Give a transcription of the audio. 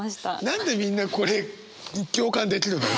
何でみんなこれ共感できるの？